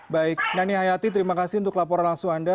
baik nani hayati terima kasih untuk laporan langsung anda